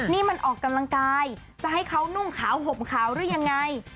นี่มันออกกำลังกายจะให้เขานุ่งขาวห่มขาวหรือยังไง